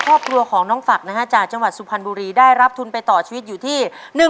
พอปรัวของน้องฝากด้านจันหวัดสุพันธ์บุรีได้รับทุนไปต่อชีวิตอยู่ที่